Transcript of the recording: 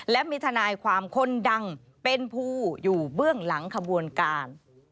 และมีทนายความคนดังเป็นผู้อยู่เบื้องหลังขบวนการ